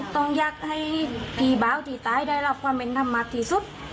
ต้องอยากให้พี่เบาที่ตายได้รับความเป็นธรรมมากที่สุด